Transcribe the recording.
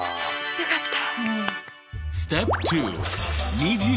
よかった。